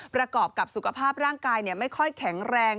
ประกอบกับสุขภาพร่างกายไม่ค่อยแข็งแรง